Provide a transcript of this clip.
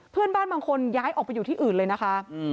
เพื่อนบ้านบางคนย้ายออกไปอยู่ที่อื่นเลยนะคะ